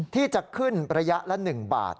ที่จะขึ้นระยะละ๑บาท